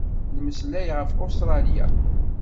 Nmeslay ɣef Ustṛalya.